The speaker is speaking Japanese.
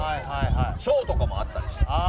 ショーとかもあったりして。